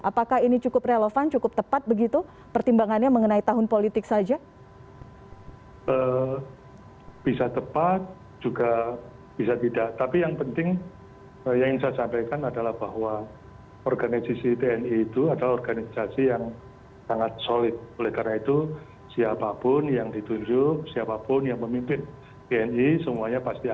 apakah ini cukup relevan cukup tepat begitu pertimbangannya mengenai tahun politik saja